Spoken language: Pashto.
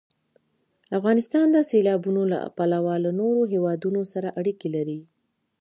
افغانستان د سیلابونه له پلوه له نورو هېوادونو سره اړیکې لري.